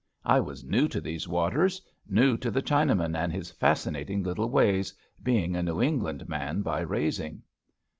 I was new to these waters, new to the Chinaman and his fascinating little ways, being a New England man by raising.